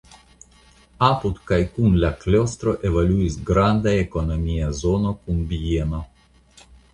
Apud kaj kun la klostro evoluis granda ekonomia zono kun bieno.